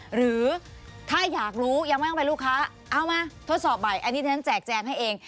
หรือถ้าอยากรู้ยังไม่ต้องเป็นลูกค้าเอามาทดสอบใหม่อันนี้ฉันแจกแจงให้เอง